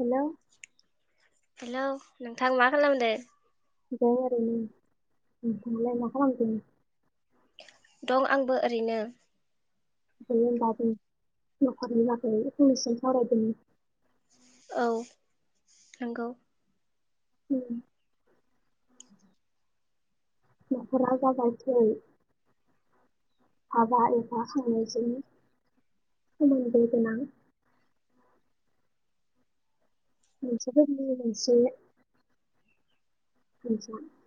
हेल'? Hello नोंथां मा खालामदों? दं ओरैनो नोंलाय मा खालामदो? दं आंबो ओरैनो। दे होमबा जों न'खरनि बागै फंनैसो सावरायदोनि। औ नंगौ। उम। न'खरा जाबाय थै हाबा एफा खांनायजों सोमोन्दो गोनां मानसिफोरनि मोनसे [unintelligible]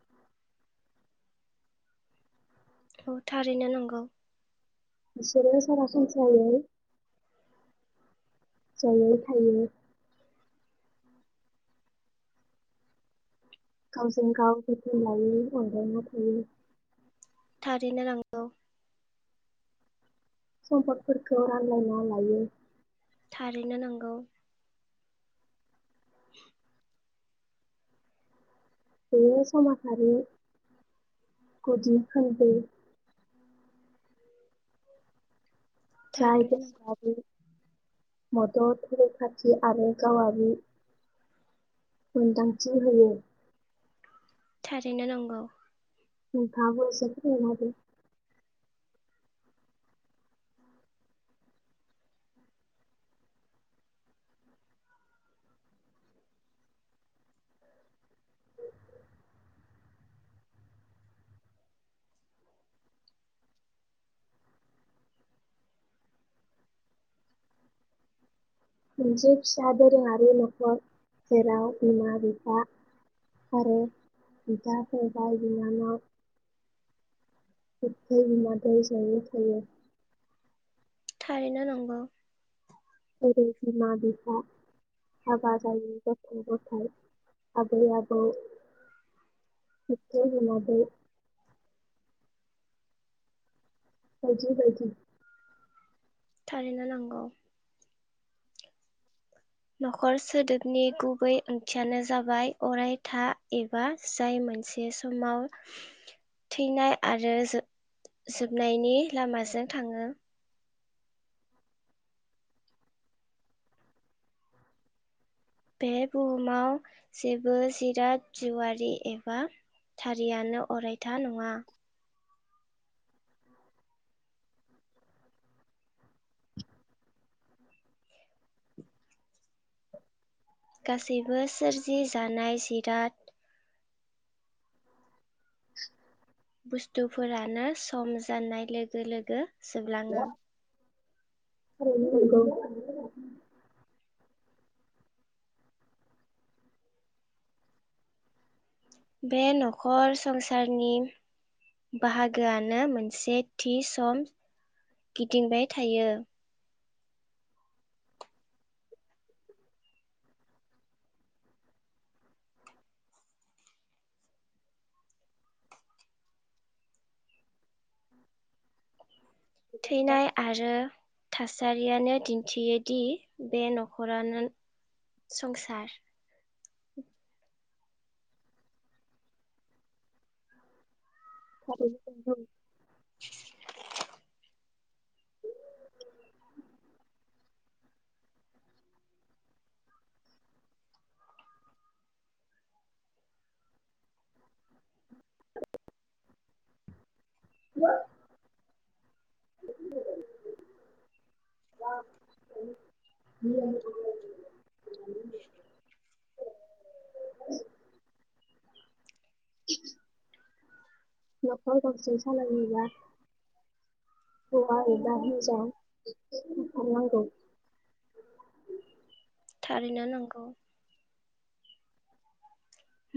औ थारैनो नंगौ। बिसोरो सरासनस्रायै ज'यै थायो। गावजों गाव जोथोन लायो अनलायना थायो। थारैनो नंगौ। सम्पदफोरखौ रानलायना लायो। थारैनो नंगौ। [inaudible] बेयो समाजारि गुदि खोन्दो। जाय थारैनो नंगौ बेसादारि मदद, रैखाथि आरो गावारि मोन्दांथि होयो। थारैनो नंगौ। नोंथाङाबो एसे फोरमायना होदो। मोनसे फिसा दोरोङारि न'खर जेराव बिमा-बिफा आरो बिदा-फंबाय, बिनानाव बिबथै-बिमादैनि ज'यै थायो। थारैनो नंगौ। जे बिमा- बिफा, हाबा जायै गथ'-गथाय, आबै-आबौ, बिबथै - बिमादै बायदि बायदि। थारैनो नंगौ। न'खर सोदोबनि गुबै ओंथियानो जाबाय अरायथा एबा जाय मोनसे समाव [unintelligible] थैनाय आरो जो-जोबनायनि लामाजों थाङो। बे बुहुमाव जेबो जिराद जिउवारि एबा थारियानो अरायथा नङा। गासैबो सोरजि जानाय जिराद [unintelligible] बुस्थुफोरानो सम जानाय लोगो लोगो जोबलाङो। [unintelligible] बे न'खर संसारनि बाहागोआनो मोनसे थि सम गिदिंबाय थायो। थैनाय आरो थासारियानो दिन्थियोदि बे न'खरानो संसार। [unintelligible] [unintelligible] [unintelligible] [inaudible] न'खर गंसे सालायनोब्ला हौवा एबा हिनजाव थाथारनांगौ। थारैनो नंगौ।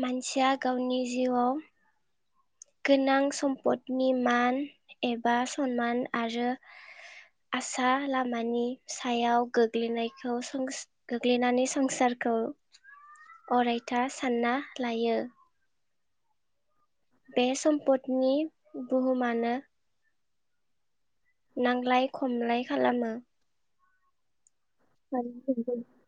मानसिया गावनि जिउआव गोनां सम्पदनि मान एबा सनमान आरो आसा लामानि सायाव गोग्लैनायखौ सोंस गोग्लैनानै संसारखौ अरायथा सानना लायो। बे सम्पदनि बुहुमानो नांलाय खमलाय खालामो। [unintelligible]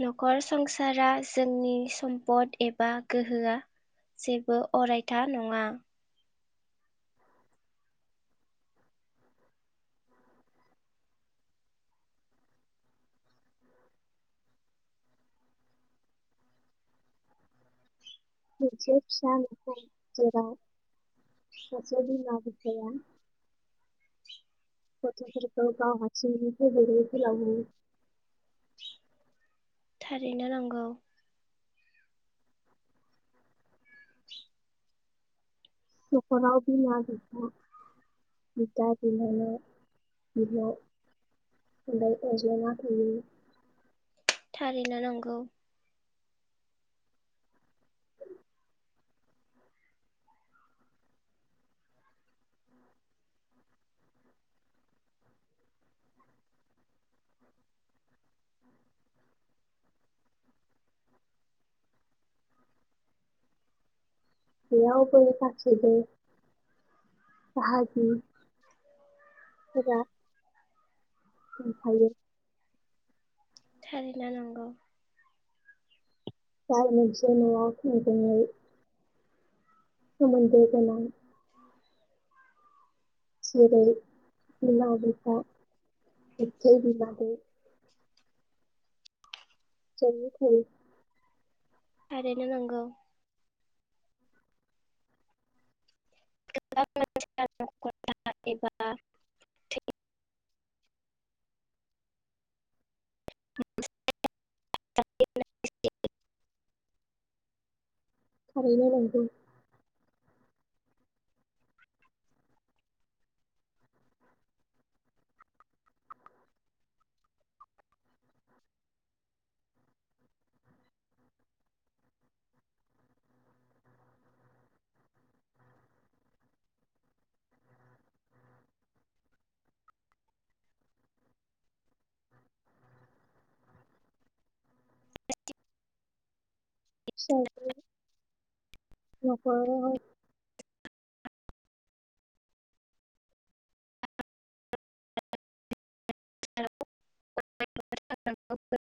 न'खर संसारा जोंनि सम्पद एबा गोहोआ जेबो अरायथा नङा। [inaudible] मोनसे फिसा नखर जेराव ससे बिमा बिफाया गथ'फोरखौ गाव हारसिंनो फेदेरो फोलावो। थारैनो नंगौ। न'खराव बिमा बिफा बिदा बिनानाव बिब' ओमफ्राय अनज्लायना थायो। थारैनो नंगौ। बेयाव जों गासिबो बाहागि फोरा ओमफायो थारैनो नंगौ। जाय मोनसे न'यव थोंजोङै सोमोन्दो गोनां जेरै बिमा बिफा बिबथै बिमादै ज'यै थायो। थारैनो नंगौ। [unintelligible] एबा [unintelligible] थारैनो नंगौ। फिसाफोर न'खराव [unintelligible]